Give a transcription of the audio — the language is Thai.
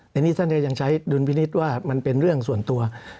อันนี้ท่านก็ยังใช้ดุลพินิษฐ์ว่ามันเป็นเรื่องส่วนตัว